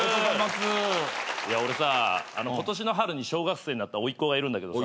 俺さ今年の春に小学生になったおいっ子がいるんだけどさ。